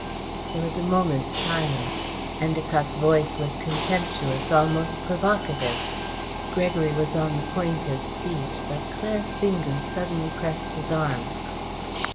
There was a moment's silence. Endacott's voice was contemptuous, almost provocative. Gregory was on the point of speech, but Claire's fingers suddenly pressed his arm.